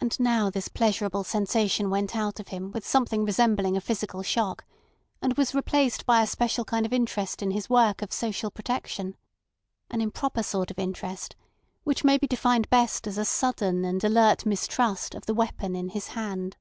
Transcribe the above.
And now this pleasurable sensation went out of him with something resembling a physical shock, and was replaced by a special kind of interest in his work of social protection—an improper sort of interest, which may be defined best as a sudden and alert mistrust of the weapon in his hand.